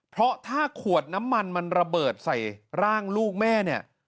เพราะถ้าขวดน้ำมันมันระเบิดใส่ร่างลูกแม่เนี่ย